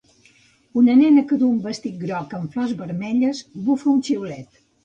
Una nena que duu un vestit groc amb flors vermelles bufa un xiulet.